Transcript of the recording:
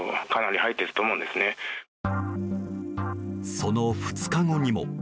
その２日後にも。